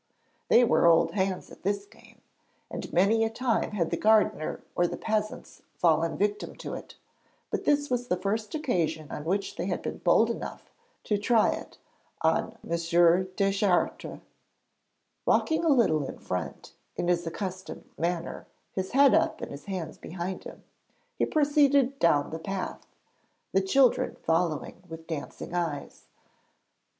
They were old hands at this game, and many a time had the gardener or the peasants fallen victims to it, but this was the first occasion on which they had been bold enough to try it on M. Deschartres. Walking a little in front, in his accustomed manner, his head up, his hands behind him, he proceeded down the path, the children following with dancing eyes.